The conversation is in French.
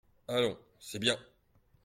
Allons, c’est bien !